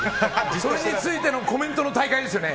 それについてのコメントの大会ですよね